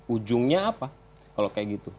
ujungnya apa kalau kayak gitu